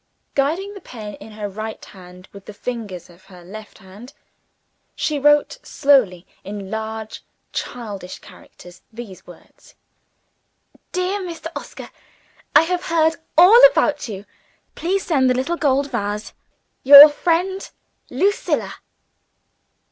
Guiding the pen in her right hand with the fingers of her left she wrote slowly, in large childish characters, these words: "DEAR MR. OSCAR, I have heard all about you. Please send the little gold vase. Your friend, LUCILLA."